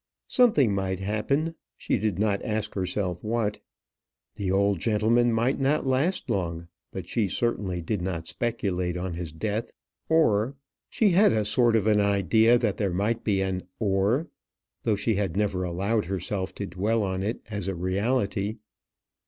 Something might happen; she did not ask herself what. The old gentleman might not last long; but she certainly did not speculate on his death. Or; she had a sort of an idea that there might be an "or," though she never allowed herself to dwell on it as a reality.